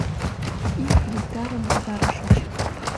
— Ик гектарым пытарышыч.